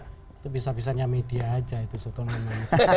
itu bisa bisanya media aja itu sebetulnya